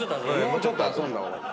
もうちょっと遊んだ方がいい。